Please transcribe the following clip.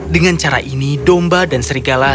dengan cara ini domba dan serigala